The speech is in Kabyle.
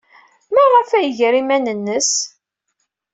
Maɣef ay iger iman-nnes?